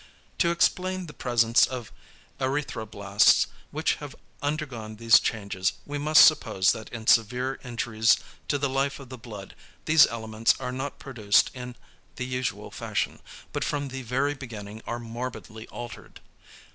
To explain the presence of erythroblasts which have undergone these changes we must suppose that in severe injuries to the life of the blood these elements are not produced in the usual fashion, but from the very beginning are morbidly altered.